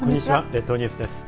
列島ニュースです。